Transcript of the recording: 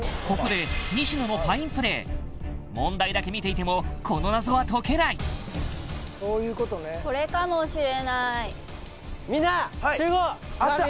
ここで西野のファインプレー問題だけ見ていてもこの謎は解けないそういうことねみんな集合！